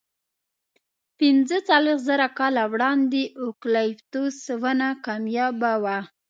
پینځهڅلوېښت زره کاله وړاندې اوکالیپتوس ونه کمیابه وه.